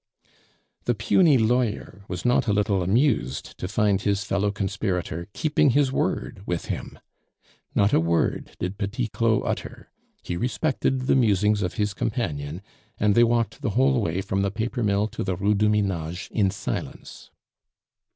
The puny lawyer was not a little amused to find his fellow conspirator keeping his word with him; not a word did Petit Claud utter; he respected the musings of his companion, and they walked the whole way from the paper mill to the Rue du Minage in silence.